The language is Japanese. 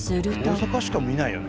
大阪しか見ないよね